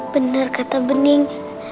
benar kata bening